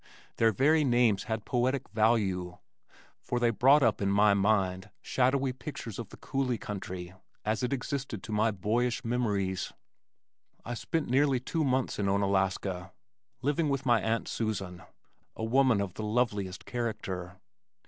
Their very names had poetic value, for they brought up in my mind shadowy pictures of the Coulee country as it existed to my boyish memories. I spent nearly two months in Onalaska, living with my Aunt Susan, a woman of the loveliest character.